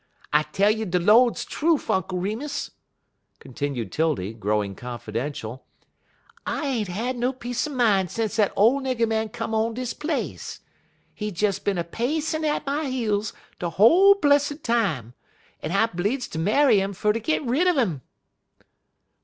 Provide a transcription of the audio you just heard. I tell you de Lord's trufe, Unk Remus," continued 'Tildy, growing confidential, "I ain't had no peace er min' sence dat ole nigger man come on dis place. He des bin a pacin' at my heels de whole blessed time, en I bleedz ter marry 'im fer git rid un 'im."